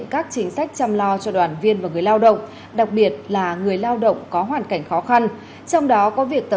các chương trình phúc lợi an sinh xã hội